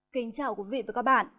kính chào quý vị và các bạn